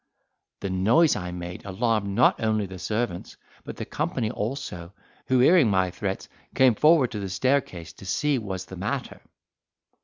The noise I made alarmed not only the servants, but the company also, who hearing my threats came forward to the staircase to see was the matter.